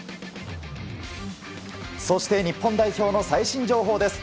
そして日本代表の最新情報です。